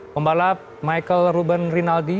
pembalap michael ruben rinaldi